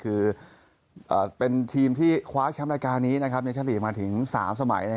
คือเป็นทีมที่คว้าชั้นละการี้ในชั้นลีกมาถึง๓สมัย